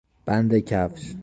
بند کفش